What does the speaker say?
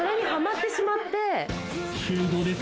週５ですか？